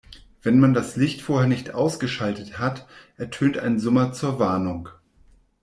Wenn man das Licht vorher nicht ausgeschaltet hat, ertönt ein Summer zur Warnung.